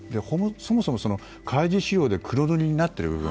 そもそも、開示資料で黒塗りになっている部分。